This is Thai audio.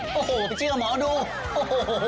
โอ้โหเชื่อหมอดูโอ้โห